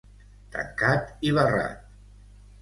Tancat i barrat.